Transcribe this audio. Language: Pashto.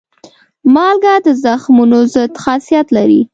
مالګه د زخمونو ضد خاصیت لري.